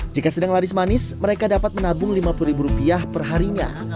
jika sedang laris manis mereka dapat menabung lima puluh ribu rupiah perharinya